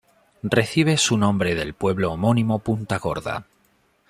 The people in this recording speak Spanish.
Recibe su nombre del pueblo homónimo Punta Gorda.